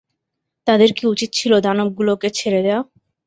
তাদের কি উচিত ছিল দানবগুলোকে ছেড়ে দেয়া?